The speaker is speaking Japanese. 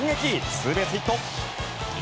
ツーベースヒット！